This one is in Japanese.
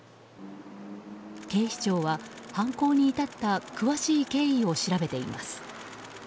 警視庁は犯行に至った詳しい経緯を調べています。